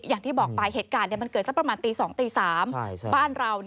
อย่างที่บอกไปเหตุการณ์มันเกิดสักประมาณตี๒ตี๓บ้านเรา